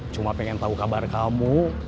cuma pengen tahu kabar kamu